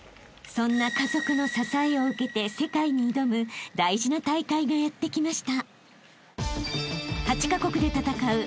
［そんな家族の支えを受けて世界に挑む大事な大会がやってきました］